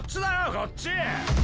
こっちッ！